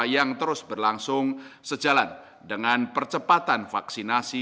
yang terus berlangsung sejalan dengan percepatan vaksinasi